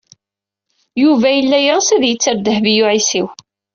Yuba yella yeɣs ad t-ter Dehbiya u Ɛisiw.